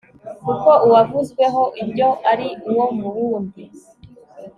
kuko uwavuzweho ibyo ari uwo mu wundi